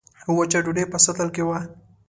وچه ډوډۍ په سطل کې وه.